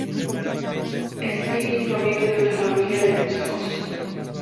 Steele proviene de una familia de músicos.